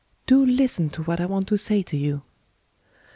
Do listen to what I want to say to you."